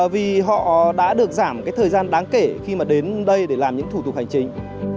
vì họ đã được giảm thời gian đáng kể khi đến đây để làm những thủ tục hành chính